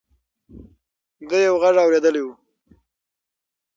ده یو غږ اورېدلی و.